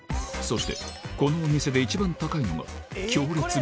そして、このお店で一番高いのが、強烈！